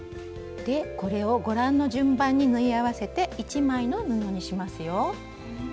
これをご覧の順番に縫い合わせて１枚の布にしますよ。